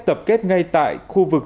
tập kết ngay tại khu vực